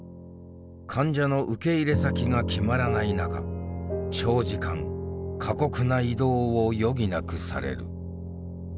患者の受け入れ先が決まらない中長時間過酷な移動を余儀なくされる。